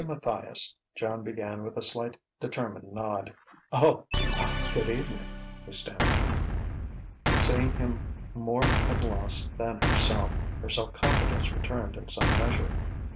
Matthias " Joan began with a slight, determined nod. "Oh good evening," he stammered. Seeing him more at loss than herself, her self confidence returned in some measure.